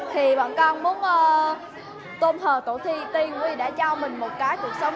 thì bọn con muốn tôn hờ tổ thi tiên quý đã cho mình một cái cuộc sống